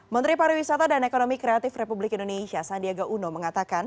menteri pariwisata dan ekonomi kreatif republik indonesia sandiaga uno mengatakan